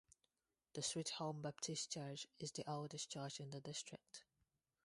The Sweethome Baptist Church is the oldest church in the district.